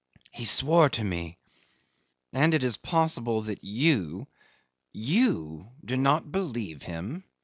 He swore to me!". .. "And it is possible that you you! do not believe him?"